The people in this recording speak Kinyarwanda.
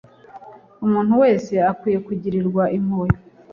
umuntu wese akwiye kugirirwa impuhwe